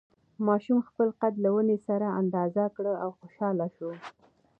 ماشوم خپل قد له ونې سره اندازه کړ او خوشحاله شو.